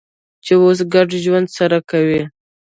چې اوس ګډ ژوند سره کوي.